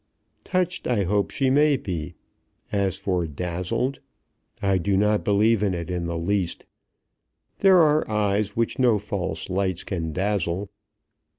"Touched I hope she may be. As for dazzled, I do not believe in it in the least. There are eyes which no false lights can dazzle."